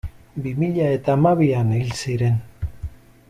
Bi mila eta hamabian hil ziren.